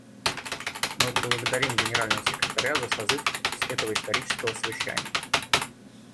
Мы благодарим Генерального секретаря за созыв этого исторического совещания.